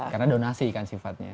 karena donasi kan sifatnya